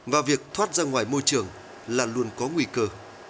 và việc thoát ra ngoài môi trường là luôn có nguy cơ